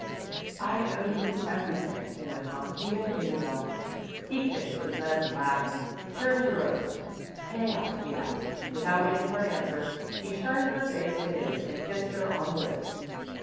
"I owe you everything," he went on; "even Isabel." He kissed her, then, laughing, turned to Rose. "May I?" he asked. Without waiting for an answer, he turned her face to his, and kissed her on the lips.